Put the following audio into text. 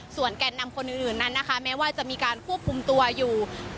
ส่วนแก่นนำคนอื่นนั้นนะคะแม้ว่าจะมีการควบคุมตัวอยู่